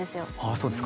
そうですか。